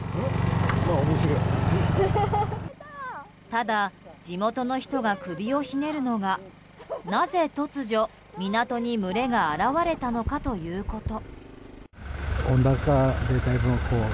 ただ、地元の人が首をひねるのがなぜ突如、港に群れが現れたのかということ。